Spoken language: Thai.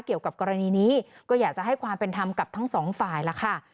เกี่ยวกับกรณีนี้ก็อยากจะให้ความเป็นธรรมกับทั้งสองฝ่ายล่ะค่ะ